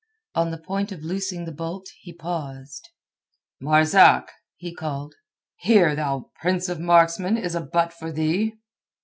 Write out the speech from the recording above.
On the point of loosing the bolt he paused. "Marzak!" he called. "Here, thou prince of marksmen, is a butt for thee!"